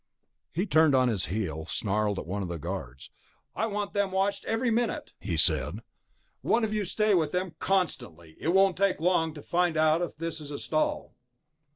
He turned on his heel, snarled at one of the guards. "I want them watched every minute," he said. "One of you stay with them constantly. It won't take long to find out if this is a stall...."